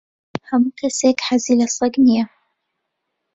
ھەموو کەسێک حەزی لە سەگ نییە.